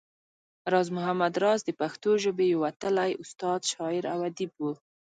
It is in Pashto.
راز محمد راز د پښتو ژبې يو وتلی استاد، شاعر او اديب وو